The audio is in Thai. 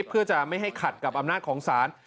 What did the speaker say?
เพื่อจะไม่ให้ขัดกับอำนาจของศาล